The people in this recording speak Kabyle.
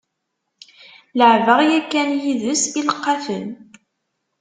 Leɛbeɣ yakan yid-s ileqqafen.